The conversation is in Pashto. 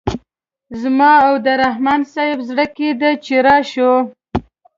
زما او د رحماني صیب زړه کیده چې راشو.